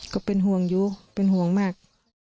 ก็เป็นห่วงอยู่เป็นห่วงมาก